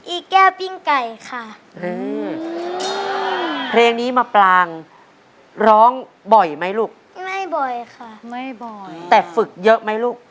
อีแก้วปิ้งไก่ค่ะอืมเพลงนี้มาปลางร้องบ่อยไหมลูกไม่บ่อยค่ะไม่บ่อยแต่ฝึกเยอะไหมลูก